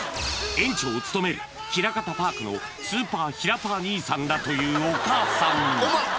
園長を務めるひらかたパークの超ひらパー兄さんだというお母さんおまっ！